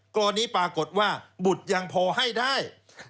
กรณีปรากฏว่าบุตรยังพอให้ได้